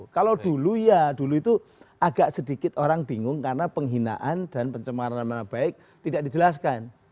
kalau dulu ya dulu itu agak sedikit orang bingung karena penghinaan dan pencemaran nama baik tidak dijelaskan